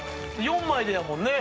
４枚でだもんね。